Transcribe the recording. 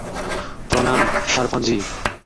প্রণাম, সারপাঞ্জি।